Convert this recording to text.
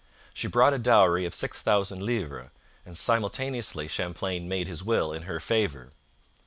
She brought a dowry of six thousand livres, and simultaneously Champlain made his will in her favour.